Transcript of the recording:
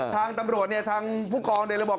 ทางตำรวจเนี่ยทางผู้กองเนี่ยเลยบอก